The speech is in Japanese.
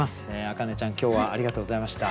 明音ちゃん今日はありがとうございました。